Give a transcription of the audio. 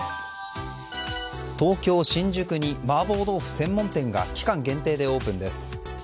東京・新宿に麻婆豆腐専門店が期間限定でオープンです。